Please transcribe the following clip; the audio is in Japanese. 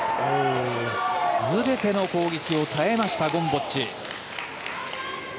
全ての攻撃を耐えましたゴムボッチ。